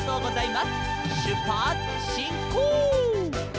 「しゅっぱつしんこう！」